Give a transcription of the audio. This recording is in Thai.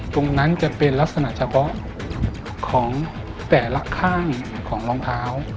ตรงนั้นจะเป็นลักษณะเฉพาะของแต่ละข้างของรองเท้า